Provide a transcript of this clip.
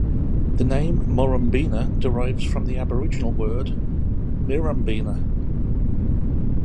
The name "Murrumbeena" derives from the Aboriginal word "mirambeena".